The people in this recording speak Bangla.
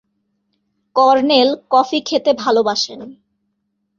কর্নেল কফি খেতে ভালবাসেন।